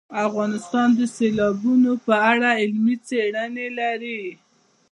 افغانستان د سیلابونه په اړه علمي څېړنې لري.